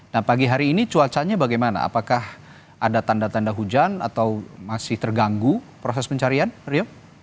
nah pagi hari ini cuacanya bagaimana apakah ada tanda tanda hujan atau masih terganggu proses pencarian rio